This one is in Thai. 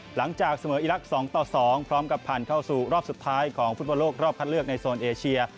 หลังจากเสมออีรักษ์๒ต่อ๒พร้อมกับผ่านเข้าสู่รอบสุดท้ายของฟุตบอลโลกรอบคัดเลือกในโซนเอเชีย